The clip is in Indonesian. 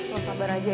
lo sabar aja ya